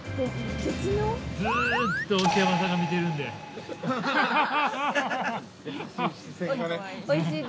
ずーっと押山さんが見てるんで。